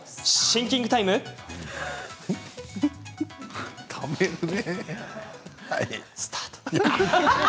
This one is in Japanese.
シンキングタイムスタート！